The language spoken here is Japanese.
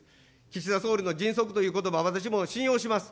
岸田総理の迅速ということば、私も信用します。